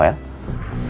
halo pak rafael